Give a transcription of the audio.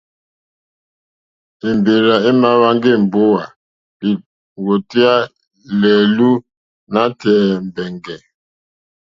Èmbèrzà èmà hwánjá èmbówà lìwòtéyá lɛ̀ɛ̀lú nǎtɛ̀ɛ̀ mbɛ̀ngɛ̀.